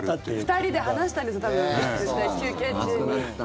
２人で話したんです、多分絶対、休憩中に。